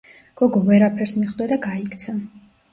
გოგო ვერაფერს მიხვდა და გაიქცა.